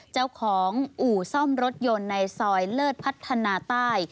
เจ้าของอู่ซ่อมรถยนต์ในซอยเลิศพัฒนาใต้